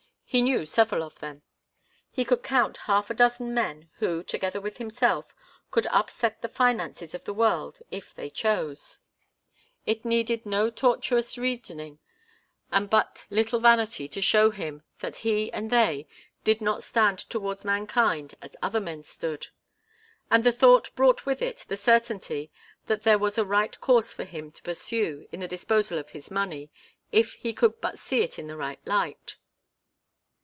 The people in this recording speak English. He knew several of them. He could count half a dozen men who, together with himself, could upset the finances of the world if they chose. It needed no tortuous reasoning and but little vanity to show him that he and they did not stand towards mankind as other men stood. And the thought brought with it the certainty that there was a right course for him to pursue in the disposal of his money, if he could but see it in the right light.